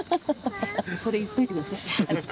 それ、言っといてください。